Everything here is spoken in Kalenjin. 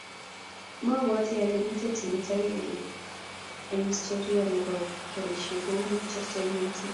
Mobwatii ale miten timit age eng historia ne bo borishe kou Manchester United.